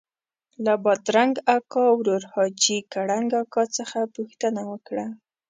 له بادرنګ اکا ورور حاجي کړنګ اکا څخه پوښتنه وکړه.